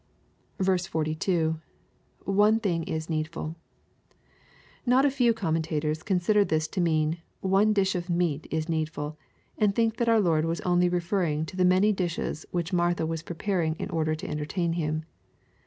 42. — [One thing is needfuL] Not a few commentators consider this to mean, " oue dish of meat is needful," and think that our Lord was only referring to the many dishes which Martha was preparing in order to entertain Him.